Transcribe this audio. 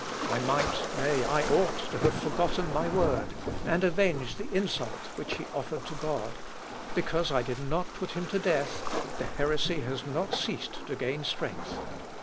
I might, nay, I ought to have forgotten my word, and avenged the insult which he offered to God; because I did not put him to death, the heresy has not ceased to gain strength.